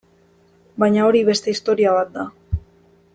Baina hori beste historia bat da.